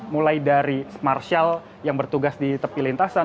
mulai dari marshal yang bertugas di tepi lintasan